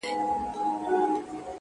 o چي در رسېږم نه؛ نو څه وکړم ه ياره؛